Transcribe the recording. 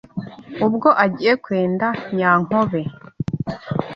Ubwo agiye kwenda Nyankobe